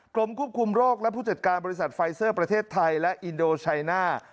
กรมควบคุมโรคและผู้จัดการบริษัทไฟเซอร์ประเทศไทยและอินโดชัยหน้า